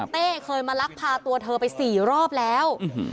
เคยมาลักพาตัวเธอไป๔รอบแล้ว